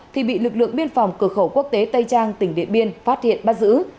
thì bị lực lượng biên phòng cửa khẩu quốc tế tây trang tỉnh điện biên phát hiện bắt giữ